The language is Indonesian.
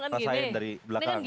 ngerasain dari belakang